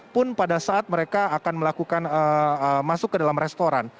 pun pada saat mereka akan melakukan masuk ke dalam restoran